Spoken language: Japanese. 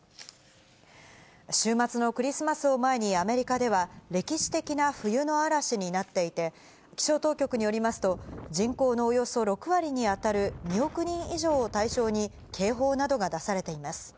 週末のクリスマスを前に、アメリカでは、歴史的な冬の嵐になっていて、気象当局によりますと、人口のおよそ６割に当たる２億人以上を対象に、警報などが出されています。